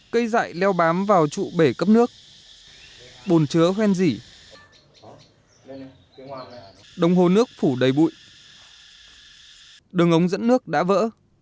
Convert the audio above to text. cây dại leo bám vào trụ bể cấp nước bồn chứa hoen dỉ đồng hồ nước phủ đầy bụi đường ống dẫn nước đã vỡ